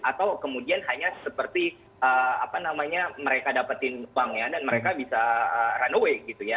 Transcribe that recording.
atau kemudian hanya seperti mereka dapatkan uang dan mereka bisa run away